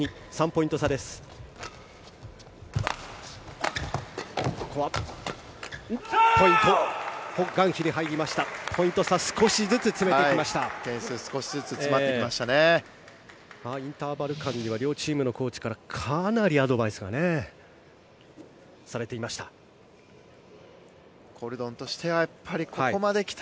インターバル間には両チームのコーチからかなりアドバイスがされていました。